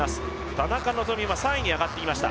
田中希実は３位に上がってきました